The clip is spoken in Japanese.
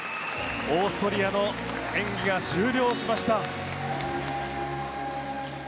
オーストリアの演技が終了しました。